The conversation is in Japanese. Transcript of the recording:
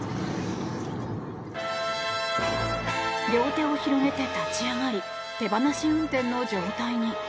両手を広げて立ち上がり手放し運転の状態に。